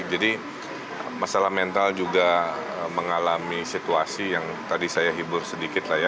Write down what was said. jadi masalah mental juga mengalami situasi yang tadi saya hibur sedikit lah ya